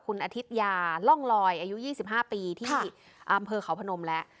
คุณอธิษยาล่องลอยอายุ๒๕ปีที่อำเภอเขาพนมแล้ว